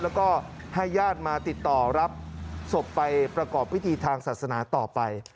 แล้วก็ให้ญาติมาติดต่อรับศพไปประกอบพิธีทางศาสนาต่อไป